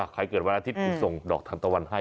ใครเกิดวันอาทิตย์คุณส่งดอกทันตะวันให้